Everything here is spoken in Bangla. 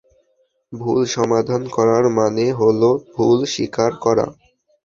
ভুল সমাধান করার মানে হলো, ভুল স্বীকার করা।